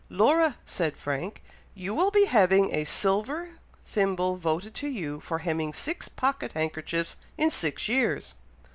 "Laura," said Frank, "you will be having a silver thimble voted to you for hemming six pocket handkerchiefs in six years!"